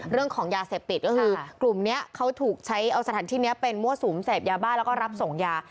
เรื่องของยาเสพติดก็คือกลุ่มนี้เขาถูกใช้เอาสถานที่นี้เป็นมั่วสุมเสพยาบ้าแล้วก็รับส่งยา